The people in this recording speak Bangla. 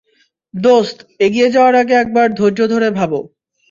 দোস্ত, এগিয়ে যাওয়ার আগে একবার ধৈর্য ধরে ভাব।